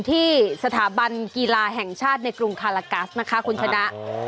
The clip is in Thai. ที่สถาบันกีฬาแห่งชาติในกรุงคาลากัสนะคะคุณชนะ